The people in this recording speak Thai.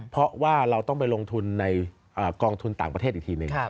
เพราะว่าเราต้องไปลงทุนในกองทุนต่างประเทศอีกทีหนึ่ง